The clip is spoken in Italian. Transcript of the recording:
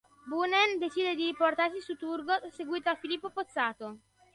Boonen decide di riportarsi su Turgot, seguito da Filippo Pozzato.